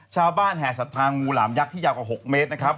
ชาวบ้านแห่สัตว์ทางงูหลามยักษ์ที่ยากกว่าหกเมตรนะครับ